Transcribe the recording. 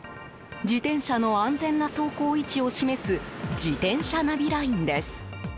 自転車の安全な走行位置を示す自転車ナビラインです。